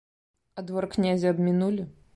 А двор князя абмінулі?